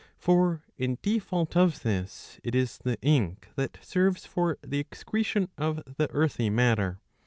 ^'' For, in default of this, it is the ink that serves for the excretion of the earthy matter.